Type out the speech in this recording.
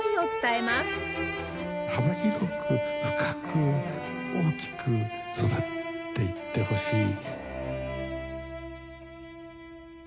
幅広く深く大きく育っていってほしい。